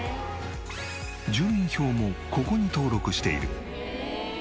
住民票もここに登録している。